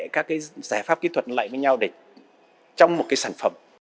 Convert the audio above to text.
các giải pháp kỹ thuật lại với nhau trong một sản phẩm